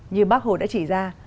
như bác hồ đã chỉ ra